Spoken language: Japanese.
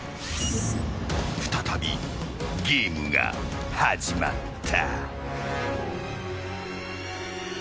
再び、ゲームが始まった。